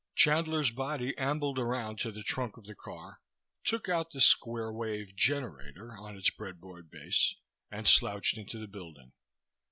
Chandler's body ambled around to the trunk of the car, took out the square wave generator on its breadboard base and slouched into the building.